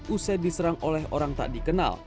usai diserang oleh orang tak dikenal